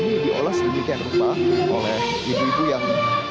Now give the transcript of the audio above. ini diolah sedemikian rupa oleh ibu ibu yang